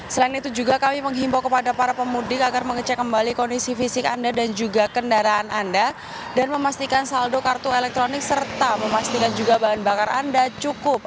selain itu juga kami menghimbau kepada para pemudik agar mengecek kembali kondisi fisik anda dan juga kendaraan anda dan memastikan saldo kartu elektronik serta memastikan juga bahan bakar anda cukup